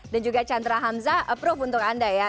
dan juga chandra hamzah approve untuk anda ya